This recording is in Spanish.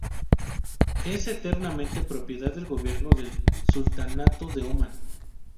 Es enteramente propiedad del Gobierno del Sultanato de Omán.